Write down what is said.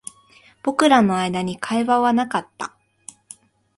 僕らの間に会話はなかった